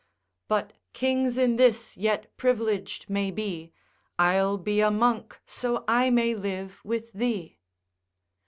But kings in this yet privileg'd may be, I'll be a monk so I may live with thee.